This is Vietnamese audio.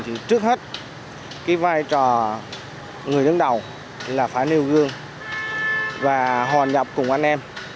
thì trước hết cái vai trò người đứng đầu là phải nêu gương và hòa nhập cùng anh em